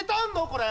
これ。